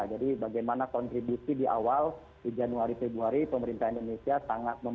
jadi bagaimana kontribusi di awal di januari februari pemerintah indonesia sangat membantu